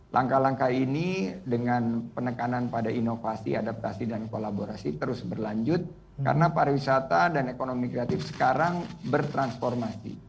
langkah langkah ini dengan penekanan pada inovasi adaptasi dan kolaborasi terus berlanjut karena pariwisata dan ekonomi kreatif sekarang bertransformasi